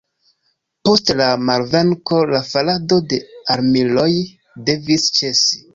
Post la malvenko la farado de armiloj devis ĉesi.